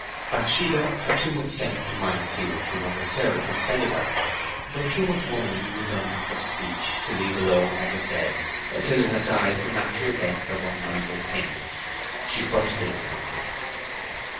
Bathsheba had too much sense to mind seriously what her servitors said about her; but too much womanly redundance of speech to leave alone what was said till it died the natural death of unminded things. She burst in upon them.